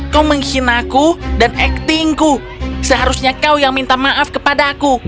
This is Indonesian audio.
kau mengkhina aku dan aktingku seharusnya kau yang minta maaf kepadaku